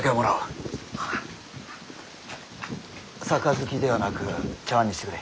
杯ではなく茶わんにしてくれ。